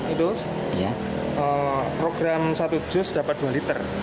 itu program satu jus dapat dua liter